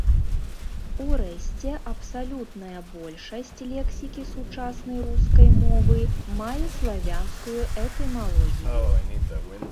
Урэшце, абсалютная большасць лексікі сучаснай рускай мовы мае славянскую этымалогію.